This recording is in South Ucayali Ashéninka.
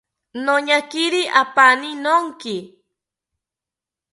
Noñakiri apaani nonki